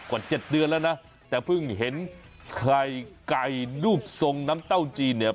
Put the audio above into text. กว่าเจ็ดเดือนแล้วนะแต่เพิ่งเห็นไข่ไก่รูปทรงน้ำเต้าจีนเนี่ย